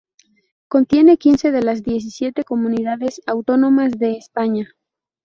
Contiene quince de las diecisiete comunidades autónomas de España.